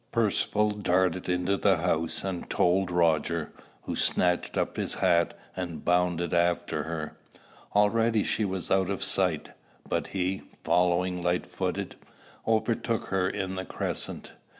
Percivale darted into the house, and told Roger, who snatched up his hat, and bounded after her. Already she was out of sight; but he, following light footed, overtook her in the crescent.